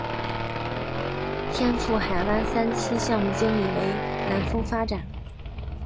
天赋海湾三期项目经理为南丰发展。